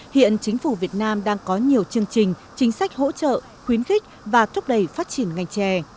hiện chính phủ việt nam đang có nhiều chương trình chính sách hỗ trợ khuyến khích và thúc đẩy phát triển ngành chè